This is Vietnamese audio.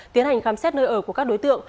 tiến hành khám xét nơi ở của các đối tượng